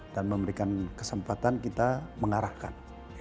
dan memberikan kesempatan kita mengarahkan